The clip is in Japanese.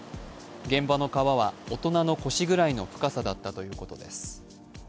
現場の川は大人の腰ぐらいの深さだったということです。